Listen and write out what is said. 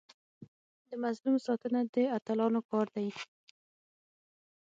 د مظلوم ساتنه د اتلانو کار دی.